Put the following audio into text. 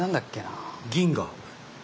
銀河。